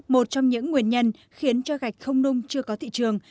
một trong những nguyên nhân khiến cho gạch không nung chưa có thị trường